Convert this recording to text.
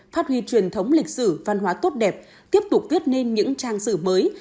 phát huy truyền thống lịch sử văn hóa tốt đẹp tiếp tục viết nên những trang sử mới